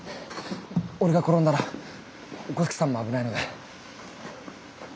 俺が転んだら五色さんも危ないので。